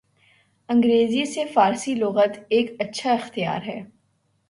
انگریزی سے فارسی لغت ایک اچھا اختیار ہے